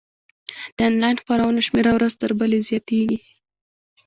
د انلاین خپرونو شمېره ورځ تر بلې زیاتیږي.